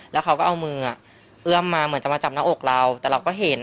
แล้วเขาก็เอามือเอื้อมมาเหมือนจะมาจับหน้าอกเราแต่เราก็เห็น